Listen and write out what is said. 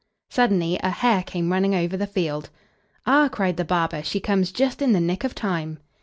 Suddenly a hare came running over the field. "Ah!" cried the barber, "she comes just in the nick of time."